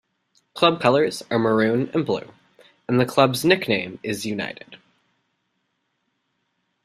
Club colours are maroon and blue, and the club's nickname is "United".